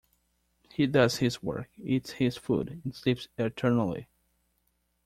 He does his work, eats his food, and sleeps eternally!